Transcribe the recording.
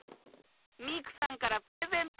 ミクさんからプレゼント。